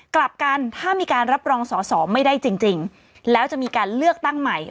กลับกันถ้ามีการรับรองสอสอไม่ได้จริงแล้วจะมีการเลือกตั้งใหม่